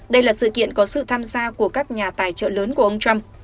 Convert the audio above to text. đây là sự kiện có sự tham gia của các nhà tài trợ lớn của ông trump